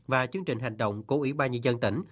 và chương trình hành động của ủy ban nhân dân tỉnh